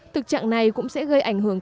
thực trạng này cũng sẽ gây ảnh hưởng